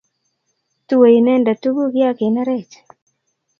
Tue inendet tuguk ya kinerech